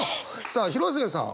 さあ広末さん